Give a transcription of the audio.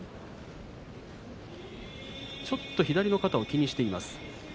ちょっと左の肩を気にしています。